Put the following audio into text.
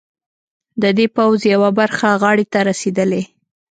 د دې پوځ یوه برخه غاړې ته رسېدلي.